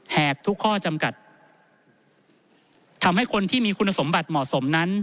หากทุกข้อจำกัดทำให้คนที่มีคุณสมบัติเหมาะสมนั้น